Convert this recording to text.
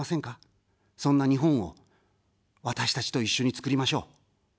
そんな日本を私たちと一緒に作りましょう。